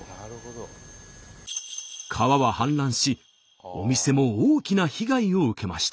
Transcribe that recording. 川は氾濫しお店も大きな被害を受けました。